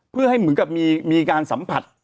เพื่อให้เหมือนกับมีการสัมผัส